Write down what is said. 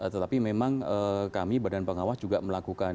tetapi memang kami badan pengawas juga melakukan